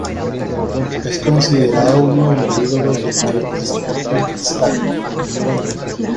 Es considerado uno de los ídolos del club Sporting Cristal.